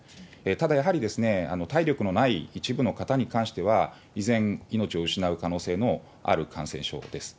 ただ、やはり体力のない一部の方に関しては、依然命を失う可能性のある感染症です。